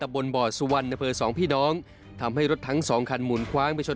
บนบ่อสุวรรณอำเภอสองพี่น้องทำให้รถทั้งสองคันหมุนคว้างไปชน